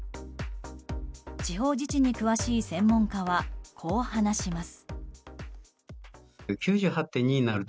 地方自治に詳しい専門家はこう話します。